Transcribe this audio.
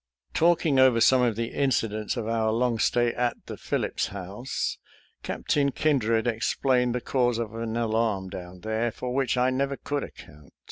*♦• Talking over some of the incidents of our long stay at the Phillips House, Captain Kin dred explained the cause of an alarm down there, for which I never could account.